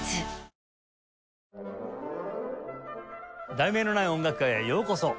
『題名のない音楽会』へようこそ。